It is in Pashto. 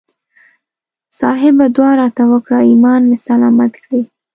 صاحبه دعا راته وکړه ایمان مې سلامت کړي.